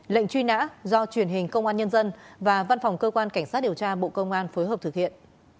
lệnh truy nã do truyền hình công an nhân dân và văn phòng cơ quan cảnh sát điều tra bộ công an phối hợp thực hiện